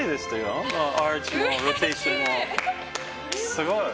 すごい。